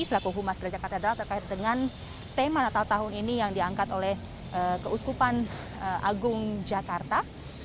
selaku humas gereja katedral terkait dengan tema natal tahun ini yang diangkat oleh keuskupan agung jakarta